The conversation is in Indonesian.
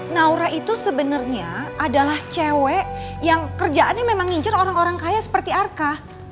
naura itu sebenarnya adalah cewek yang kerjaannya memang ngin orang orang kaya seperti arka